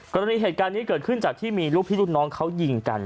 กรณีเหตุการณ์นี้เกิดขึ้นจากที่มีลูกพี่ลูกน้องเขายิงกัน